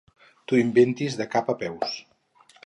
T'ho inventis de cap i de nou.